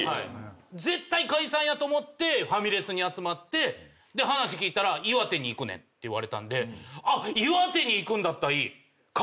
絶対解散やと思ってファミレスに集まって話聞いたら「岩手に行くねん」って言われたんで。